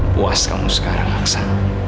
puas kamu sekarang aksa